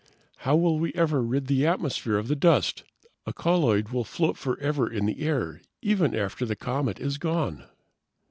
"How will we ever rid the atmosphere of the dust! A colloid will float forever in the air, even after the comet is gone."